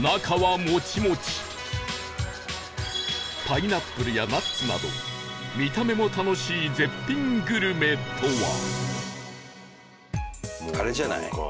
パイナップルやナッツなど見た目も楽しい絶品グルメとは？